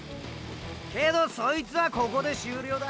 けどそいつはここで終了だ。